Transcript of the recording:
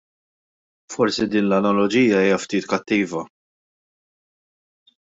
Forsi din l-analoġija hija ftit kattiva.